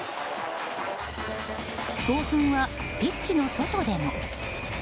興奮はピッチの外でも。